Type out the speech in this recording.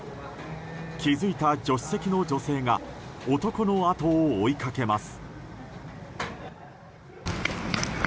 気づいた助手席の女性が男のあとを追いかけます。